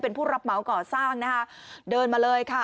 เป็นผู้รับเหมาก่อสร้างนะคะเดินมาเลยค่ะ